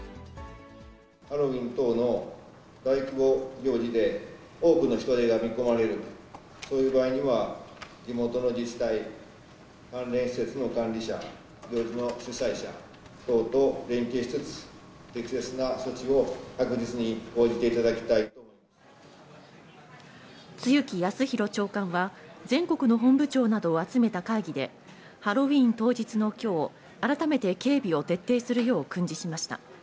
ハロウィーン等の大規模行事で、多くの人出が見込まれる、そういう場合には、地元の自治体、関連施設の管理者、ＷＥＢの主催者党と連携しつつ、適切な措置を確実に講じていただ露木康浩長官は、全国の本部長などを集めた会議で、ハロウィーン当日のきょう、改めて警備を徹底するよう訓示しました。